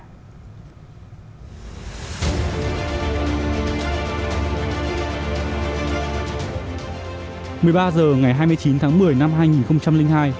một mươi ba h ngày hai mươi chín tháng một mươi năm hai nghìn hai